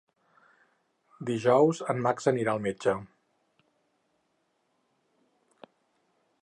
Dijous en Max anirà al metge.